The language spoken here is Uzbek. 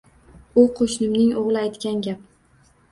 U qoʻshnimning oʻgʻli aytgan gap.